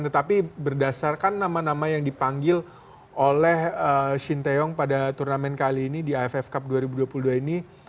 tetapi berdasarkan nama nama yang dipanggil oleh shin taeyong pada turnamen kali ini di aff cup dua ribu dua puluh dua ini